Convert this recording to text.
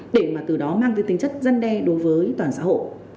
để mà từ đó mang tính chất dân đe đối với toàn xã hội